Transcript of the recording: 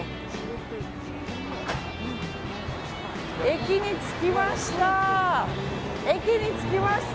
駅に着きました。